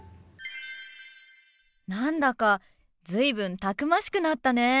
何だか随分たくましくなったね。